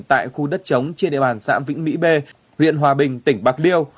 tại khu đất trống trên địa bàn xã vĩnh mỹ b huyện hòa bình tỉnh bạc liêu